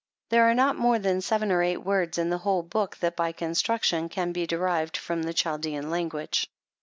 There are not more than seven or eight words in the whole book that by construction can be derived from the Chaldean language.